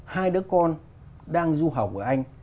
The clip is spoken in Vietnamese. hai đứa con đang du học ở anh